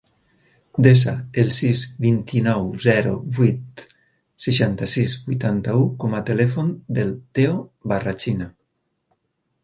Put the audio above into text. Desa el sis, vint-i-nou, zero, vuit, seixanta-sis, vuitanta-u com a telèfon del Theo Barrachina.